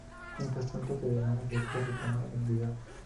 Mientras tanto te dejamos el detrás de cámara del video.